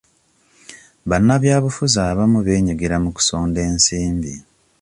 Bannabyabufuzi abamu beenyigira mu kusonda ensimbi.